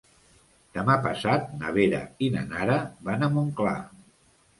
Demà passat na Vera i na Nara van a Montclar.